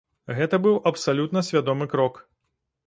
Гэта быў абсалютна свядомы крок.